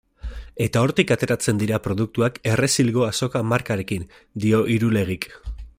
Eta hortik ateratzen dira produktuak Errezilgo Azoka markarekin, dio Irulegik.